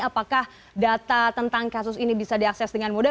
apakah data tentang kasus ini bisa diakses dengan mudah